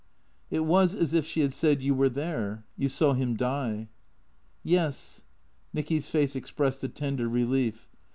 " It was as if she had said, " You were there — you saw him die." " Yes." Nicky's face expressed a tender relief.